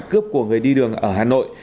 cướp của người đi đường ở hà nội